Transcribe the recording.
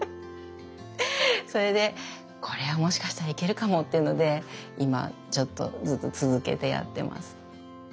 それでこれはもしかしたらいけるかもっていうので今ちょっとずつ続けてやってます。